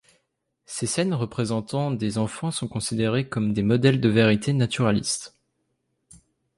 Ces scènes représentant des enfants sont considérées comme des modèles de vérité naturaliste.